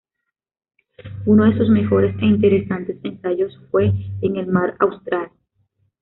Uno de sus mejores e interesantes ensayos fue "En el mar Austral".